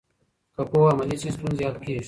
که پوهه عملي شي، ستونزې حل کېږي.